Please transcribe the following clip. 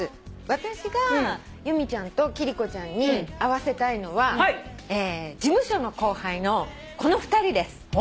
私が由美ちゃんと貴理子ちゃんに会わせたいのは事務所の後輩のこの２人です。